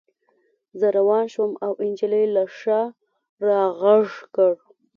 زه روان شوم او نجلۍ له شا را غږ کړ